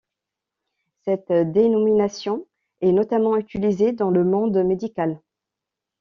Cette dénomination est notamment utilisée dans le monde médical.